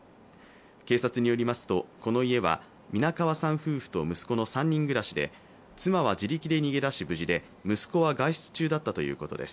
警察によりますとこの家は皆川さん夫婦と息子の３人暮らしで妻は自力で逃げ出し無事で、息子は外出中だったということです。